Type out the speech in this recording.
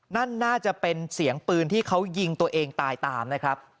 นั่นน่าจะเป็นเสียงปืนที่เขายิงตัวเองตายตามนะครับ